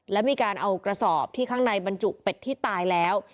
และมีการเอากระสอบที่ข้างในบรรจุเป็ดที่ตายแล้ว